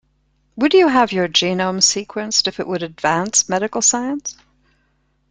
Would you have your genome sequenced if it would advance medical science?